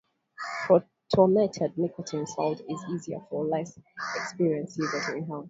Protonated nicotine salt is easier for less experienced users to inhale.